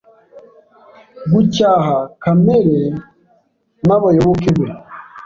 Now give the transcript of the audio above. Gucyaha kamere n'abayoboke be